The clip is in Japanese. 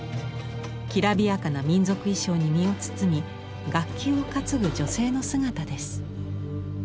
きらびやかな民族衣装に身を包み楽器を担ぐ女性の姿です。